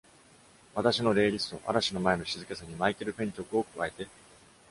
私のレイリスト「嵐の前の静けさ」にマイケル・ペン曲を加えて。